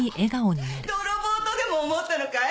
泥棒とでも思ったのかい？